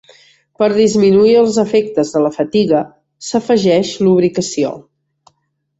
Per disminuir els efectes de la fatiga, s’afegeix lubricació.